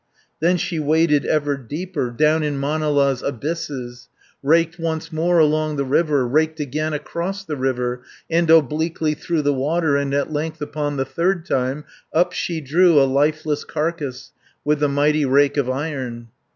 Then she waded ever deeper, Down in Manala's abysses, 260 Raked once more along the river, Raked again across the river, And obliquely through the water, And at length upon the third time, Up she drew a lifeless carcass, With the mighty rake of iron.